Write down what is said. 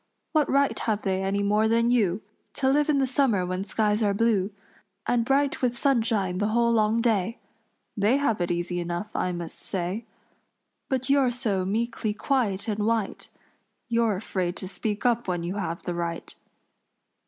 What right have they any more than you, To live in the summer when skies are blue And bright with sunshine the whole long day? They have it easy enough, I must say; But you're so meekly quiet and white, You're afraid to speak up when you have the right."